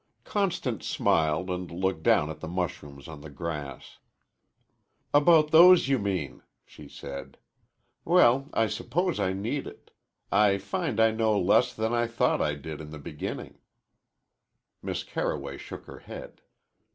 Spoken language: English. Constance smiled and looked down at the mushrooms on the grass. "About those, you mean," she said. "Well, I suppose I need it. I find I know less than I thought I did in the beginning." Miss Carroway shook her head.